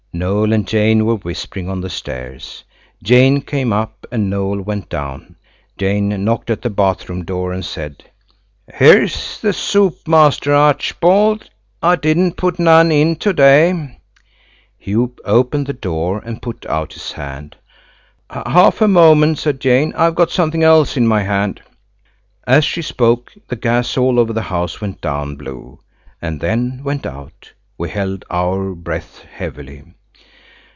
Noël and Jane were whispering on the stairs. Jane came up and Noël went down. Jane knocked at the bath room door and said– "Here's the soap, Master Archerbald. I didn't put none in to day." He opened the door and put out his hand. "Half a moment," said Jane, "I've got something else in my hand." As she spoke the gas all over the house went down blue, and then went out. We held our breaths heavily.